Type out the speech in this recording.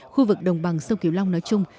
khu vực đồng bằng sông cửu long nói chung